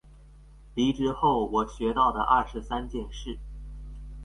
離職後我學到的二十三件事